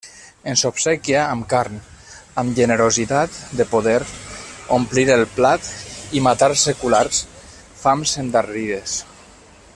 Ens obsequia amb carn, amb generositat de poder omplir el plat i matar seculars fams endarrerides.